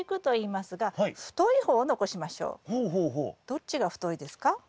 どっちが太いですか？